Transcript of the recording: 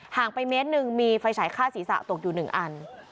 งไปเมตรหนึ่งมีไฟฉายฆ่าศีรษะตกอยู่๑อัน